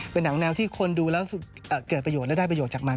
เป็นหนังแนวที่คนดูแล้วเกิดประโยชนและได้ประโยชน์จากมัน